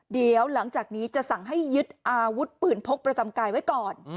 เดี๋ยวหลังจากนี้จะสั่งให้ยึดอาวุธปืนพกประจำกายไว้ก่อน